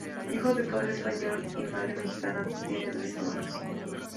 Hijo de padre español y madre mexicana, tiene tres hermanos.